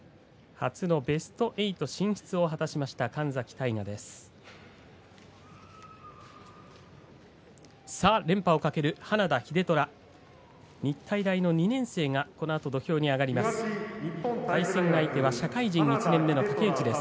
初のベスト８進出を果たしました神崎大河です。